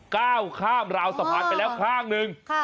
ก้าวข้ามราวสะพานไปแล้วข้างหนึ่ง